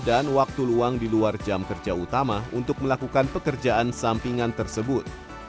dan waktu luang di luar jam kerja utama untuk melakukan pekerjaan sampingan tersebut